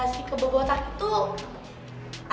si kebobotak tuh